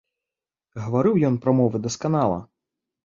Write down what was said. Гаварыў ён прамовы дасканала.